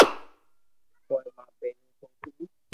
پوءِ مان پهرين سوڪري